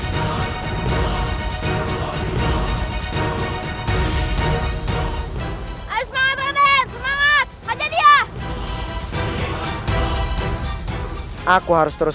dan menangkap kake guru